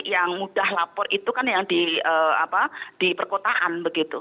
yang mudah lapor itu kan yang di perkotaan begitu